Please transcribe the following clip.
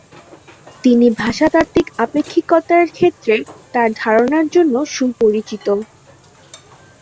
তিনি ভাষাতাত্ত্বিক আপেক্ষিকতার ক্ষেত্রে তার ধারণার জন্য সুপরিচিত।